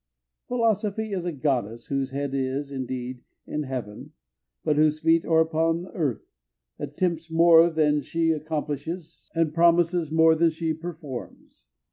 Philosophy is a goddess whose head is, indeed, in heaven, but whose feet are upon earth; attempts more than she accomplishes and promises more than she performs.